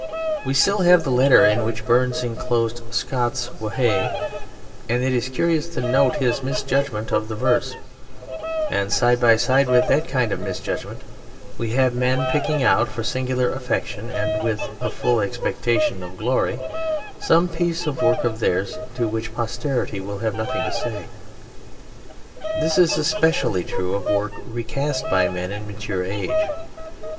We still have the letter in which Burns enclosed "Scots wha' hae," and it is curious to note his misjudgment of the verse; and side by side with that kind of misjudgment we have men picking out for singular affection and with a full expectation of glory some piece of work of theirs to which posterity will have nothing to say. This is especially true of work recast by men in mature age.